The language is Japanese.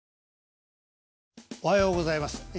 おはようございます。